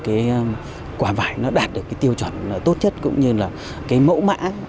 cái quả vải nó đạt được cái tiêu chuẩn tốt nhất cũng như là cái mẫu mã